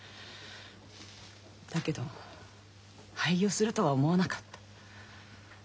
だけど廃業するとは思わなかった。